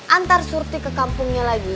antar surti ke kampungnya lagi